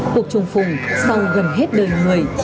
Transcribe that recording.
cuộc trùng phùng sau gần hết đời người